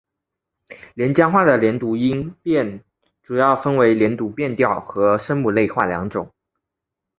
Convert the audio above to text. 连江话的连读音变主要分为连读变调和声母类化两种。